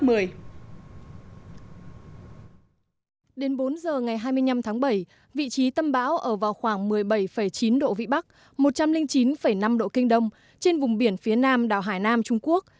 đến bốn h ngày hai mươi năm tháng bảy vị trí tâm bão ở vào khoảng một mươi bảy chín độ vĩ bắc một trăm linh chín năm độ kinh đông trên vùng biển phía nam đảo hải nam trung quốc